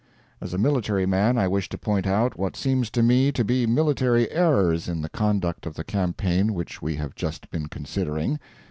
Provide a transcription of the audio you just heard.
As a military man, I wish to point out what seems to me to be military errors in the conduct of the campaign which we have just been considering.